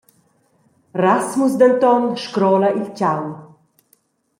Rasmus denton scrola il tgau.